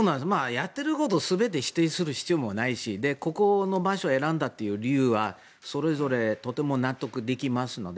やってることを全て否定する必要もないしここの場所を選んだという理由はそれぞれとても納得できますので。